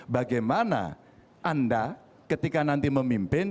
bagaimana anda ketika nanti memimpin